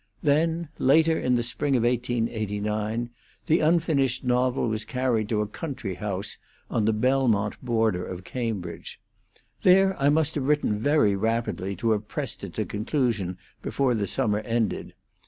Then later in the spring of 1889 the unfinished novel was carried to a country house on the Belmont border of Cambridge. There I must have written very rapidly to have pressed it to conclusion before the summer ended.